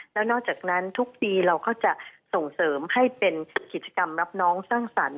แล้วนอกจากนั้นทุกปีเราก็จะส่งเสริมให้เป็นกิจกรรมรับน้องสร้างสรรค์